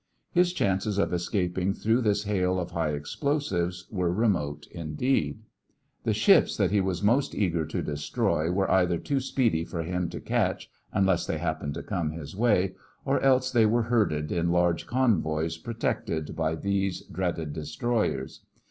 His chances of escaping through this hail of high explosives were remote indeed. The ships that he was most eager to destroy were either too speedy for him to catch, unless they happened to come his way, or else they were herded in large convoys protected by these dreaded destroyers.